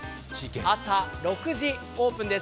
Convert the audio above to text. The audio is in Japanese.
朝６時オープンです。